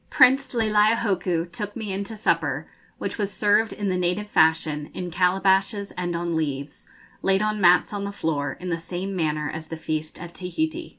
Prince Leleiohoku took me in to supper, which was served in the native fashion, in calabashes and on leaves, laid on mats on the floor, in the same manner as the feast at Tahiti.